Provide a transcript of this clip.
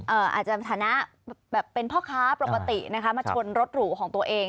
อาจจะฐานะแบบเป็นพ่อค้าปกตินะคะมาชนรถหรูของตัวเอง